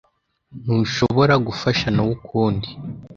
Ntushobora gufasha Nowa ukundi.